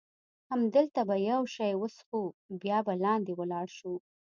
همدلته به یو شی وڅښو، بیا به لاندې ولاړ شو.